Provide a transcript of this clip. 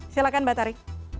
silahkan mbak tari